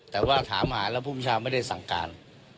แต่ว่าถามหาแล้วภูมิชาไม่ได้สั่งการ